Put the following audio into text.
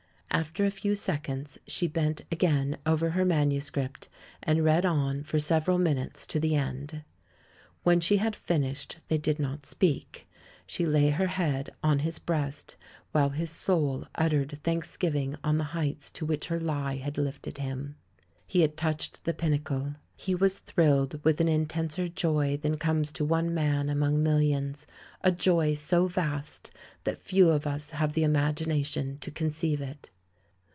After a few seconds she bent again over her manuscript and read on, for several minutes, to the end. When she had finished they did not speak. She lay her head on his breast, while his soul uttered thanksgiving on the heights to which her lie had lifted him. He had touched the pinnacle. He was thrilled with an intenser joy than comes to one man among millions — a joy so vast that few of us have the imagination to conceive it.